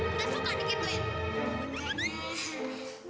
udah suka dikituin